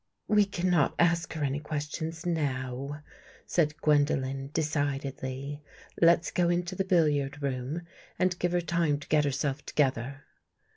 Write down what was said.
" We cannot ask her any questions now," said Gwendolen decidedly. " Let's go into the billiard room and give her time to get herself together."